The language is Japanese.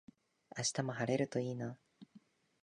明日も晴れるといいな